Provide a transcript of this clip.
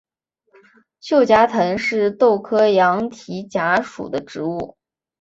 锈荚藤是豆科羊蹄甲属的植物。